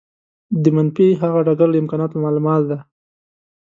د منفي هغه ډګر له امکاناتو مالامال دی.